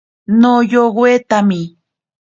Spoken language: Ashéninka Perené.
Noyowetami.